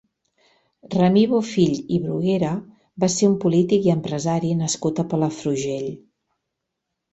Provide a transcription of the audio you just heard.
Ramir Bofill i Bruguera va ser un polític i empresari nascut a Palafrugell.